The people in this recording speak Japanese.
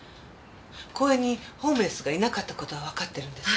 公園にホームレスがいなかった事はわかってるんです。